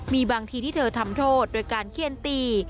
มีบางทีที่เธอทำโทษโดยการเขี้ยนตี